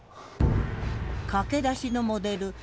駆け出しのモデル橋本